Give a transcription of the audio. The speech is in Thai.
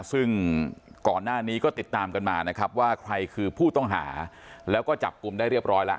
ซึ่งก่อนหน้านี้ก็ติดตามกันมานะครับว่าใครคือผู้ต้องหาแล้วก็จับกลุ่มได้เรียบร้อยแล้ว